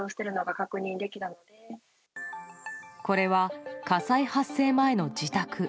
これは、火災発生前の自宅。